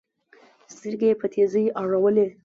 سترګي یې په تېزۍ اړولې